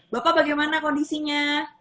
bapak bagaimana kondisinya